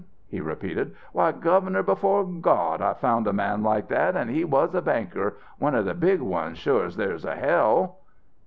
he repeated. 'Why, Governor, before God, I found a man like that, an' he was a banker one of the big ones, sure as there's a hell!'"